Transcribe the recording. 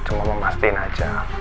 cuma memastikan aja